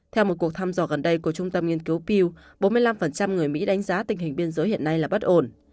theo một cuộc thăm dò gần đây của trung tâm nghiên cứu piêu bốn mươi năm người mỹ đánh giá tình hình biên giới hiện nay là bất ổn